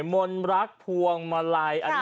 มนรักภวงมะไรครันด้วย